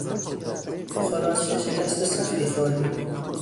خلاصه شکست سختی خوردیم.